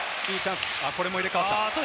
これも入れ替わった。